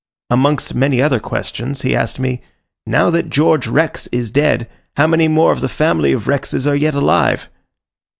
Amongst many other questions, he asked me, "Now that George Rex is dead, how many more of the family of Rexes are yet alive?"